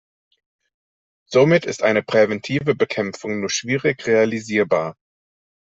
Somit ist eine präventive Bekämpfung nur schwierig realisierbar.